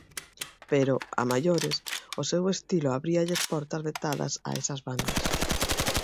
Pero, a maiores, o seu estilo abríalles portas vetadas a esas bandas.